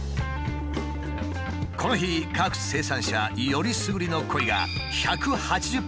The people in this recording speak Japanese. この日各生産者よりすぐりのコイが１８０匹出品された。